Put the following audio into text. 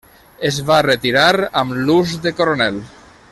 Es va retirar amb l'ús de coronel.